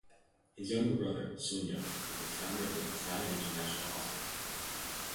His younger brother, Sunya, is the founder of the Pattaya International Hospital.